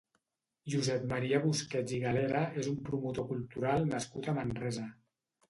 Josep Maria Busquets i Galera és un promotor cultural nascut a Manresa.